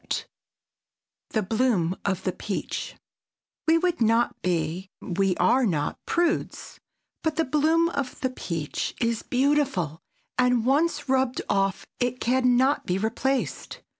[Sidenote: THE BLOOM OF THE PEACH] We would not be—we are not—prudes, but the bloom of the peach is beautiful, and once rubbed off it can not be replaced.